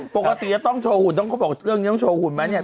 ปกติจริงต้องโชว์ขุนต้องบอกเรื่องนี้ต้องโชว์ขุนไหม